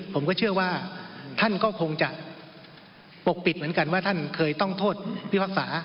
ผมก็เชื่อว่าท่านก็คงจะปกปิดเหมือนกันว่าท่านเคยต้องโทษพิพากษา